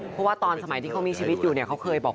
เพราะว่าตอนสมัยที่เขามีชีวิตอยู่เนี่ยเขาเคยบอก